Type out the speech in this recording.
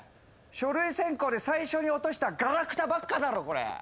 書類選考で最初に落としたがらくたばっかだろこれ。